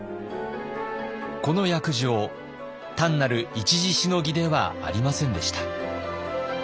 この約定単なる一時しのぎではありませんでした。